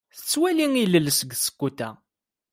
Tettwali ilel seg tzewwut-a.